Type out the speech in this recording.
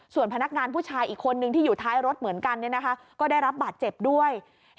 ส่วนพนักงานผู้ชายอีกคนนึงที่อยู่ท้ายรถเหมือนกันก็ได้รับบาดเจ็บด้วย